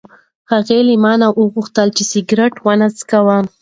هغې له ما نه وغوښتل چې سګرټ ونه څښم.